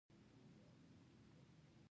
خو هغه احمق سړی عادي ماشینګڼې ته کېناست